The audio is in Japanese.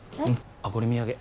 あっこれ土産。